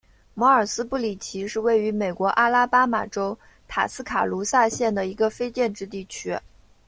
摩尔斯布里奇是位于美国阿拉巴马州塔斯卡卢萨县的一个非建制地区。